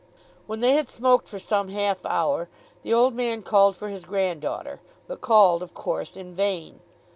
When they had smoked for some half hour the old man called for his granddaughter, but called of course in vain.